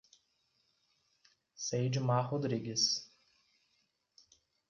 Ceidmar Rodrigues